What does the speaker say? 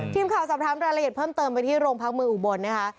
ทีมข่าวสอบถามรายละเอียดเพิ่มเติมไปที่โรงพักเมืองอุบลนะคะ